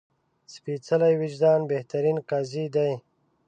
سپېڅلی وجدان بهترین قاضي ده